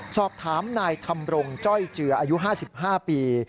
สอบถามนายธรรมรงจ้อยเจืออายุ๕๕ปี